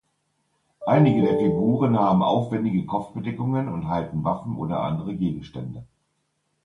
Einige der Figuren haben aufwendige Kopfbedeckungen und halten Waffen oder andere Gegenstände.